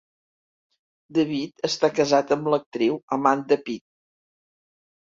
David està casat amb l'actriu Amanda Peet.